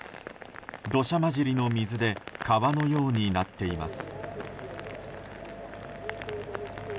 土砂交じりの水で川のようになっています。